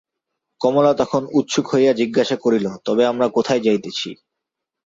কমলা তখন উৎসুক হইয়া জিজ্ঞাসা করিল, তবে আমরা কোথায় যাইতেছি?